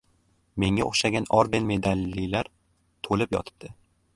Menga o‘xshagan orden-medallilar to‘lib yotibdi!